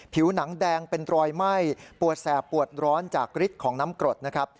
ผิวหนังแดงเป็นรอยไหม้ปวดแสบปวดร้อนจากฤทธิ์ของน้ำกรดนะครับ